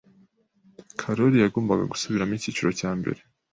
Karoli yagombaga gusubiramo icyiciro cya mbere.